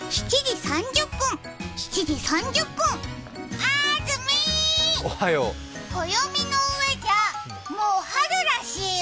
あずみ、暦の上じゃもう春らしいよ。